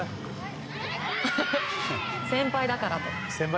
先輩だからと。